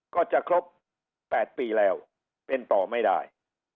ก็จะครบ๘ปีแล้วเป็นต่อไม่ได้